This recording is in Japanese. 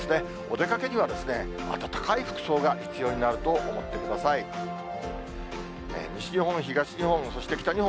お出かけには、暖かい服装が必要になると思ってください。